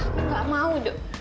aku nggak mau duk